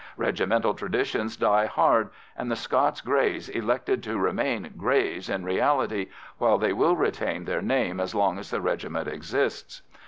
Regimental traditions die hard, and the Scots Greys elected to remain "Greys" in reality, while they will retain their name as long as the regiment exists.